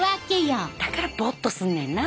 だからボッとすんねんな。